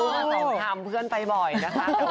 ก็สามารถทำเพื่อนไปบ่อยนะคะ